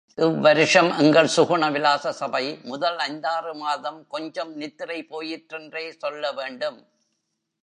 இவ் வருஷம் எங்கள் சுகுண விலாச சபை, முதல் ஐந்தாறு மாதம் கொஞ்சம் நித்திரை போயிற்றென்றே சொல்ல வேண்டும்.